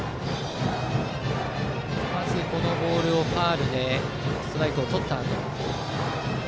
まずこのボールをファウルでストライクをとったあと。